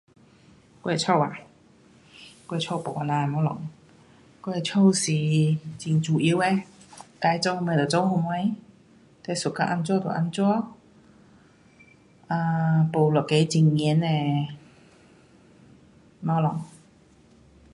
我的家啊，我的家没这样的东西。我的家是很自由的。要做什么做什么。你 suka 怎样就怎样。啊，没一个很严的东西。